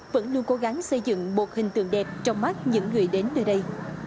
vẫn luôn cố gắng xây dựng một hình tượng đẹp trong mắt những người đến nơi đây